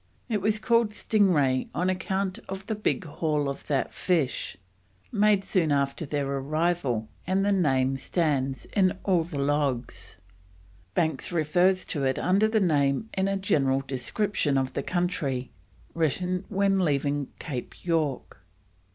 It was called Sting Ray on account of the big haul of that fish made soon after their arrival and the name stands in all the logs; Banks refers to it under that name in a general description of the country, written when leaving Cape York.